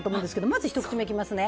まずひと口目、いきますね。